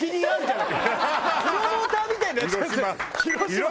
プロモーターみたいになっちゃうじゃん！